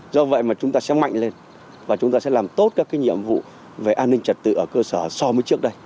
do vậy mà chúng ta sẽ mạnh lên và chúng ta sẽ làm tốt các nhiệm vụ về an ninh trật tự ở cơ sở so với trước đây